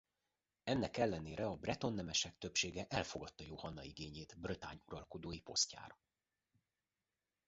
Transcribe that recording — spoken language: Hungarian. Ennek ellenére a breton nemesek többsége elfogadta Johanna igényét Bretagne uralkodói posztjára.